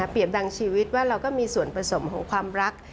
ดังชีวิตว่าเราก็มีส่วนผสมของความรัก